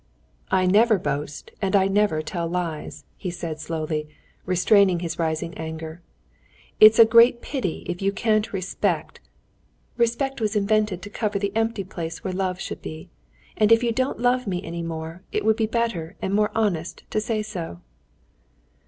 "I never boast, and I never tell lies," he said slowly, restraining his rising anger. "It's a great pity if you can't respect...." "Respect was invented to cover the empty place where love should be. And if you don't love me any more, it would be better and more honest to say so."